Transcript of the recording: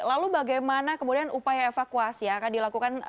lalu bagaimana kemudian upaya evakuasi yang akan dilakukan